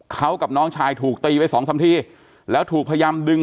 เขากับน้องชายถูกตีไปสองสามทีแล้วถูกพยายามดึง